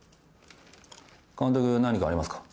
監督何かありますか？